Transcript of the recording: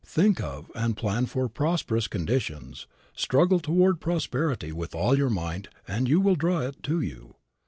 Think of, and plan for prosperous conditions; struggle toward prosperity with all your might and you will draw it to you.